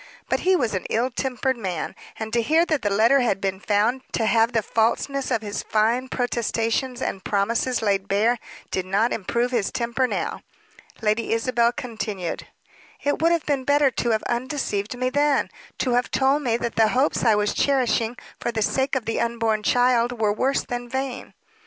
But he was an ill tempered man; and to hear that the letter had been found to have the falseness of his fine protestations and promises laid bare, did not improve his temper now. Lady Isabel continued, "It would have been better to have undeceived me then; to have told me that the hopes I was cherishing for the sake of the unborn child were worse than vain."